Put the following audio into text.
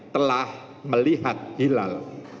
telah melihat hilal